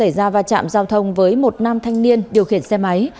quân và giao xảy ra vạch và chạm giao thông với một nam thanh niên điều khiển xe máy